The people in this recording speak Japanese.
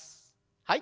はい。